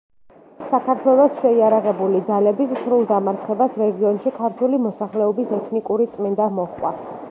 საქართველოს შეიარაღებული ძალების სრულ დამარცხებას რეგიონში ქართული მოსახლეობის ეთნიკური წმენდა მოჰყვა.